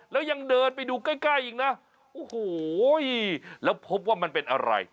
แล้วยังเดินไปดูใกล้ใกล้อีกนะโอ้โหแล้วพบว่ามันเป็นอะไร